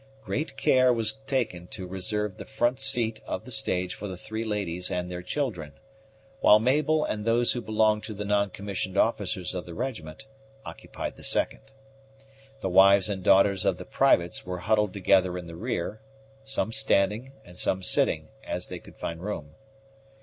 Great care was taken to reserve the front seat of the stage for the three ladies and their children; while Mabel and those who belonged to the non commissioned officers of the regiment, occupied the second. The wives and daughters of the privates were huddled together in the rear, some standing and some sitting, as they could find room.